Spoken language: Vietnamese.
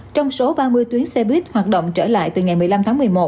trong số ba mươi tuyến xe buýt hoạt động trở lại từ ngày một mươi năm tháng một mươi một